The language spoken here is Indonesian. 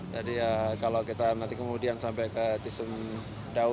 jadi kalau kita nanti kemudian sampai ke cisumdau